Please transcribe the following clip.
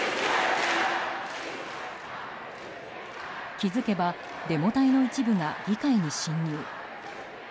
気づけばデモ隊の一部が議会に侵入。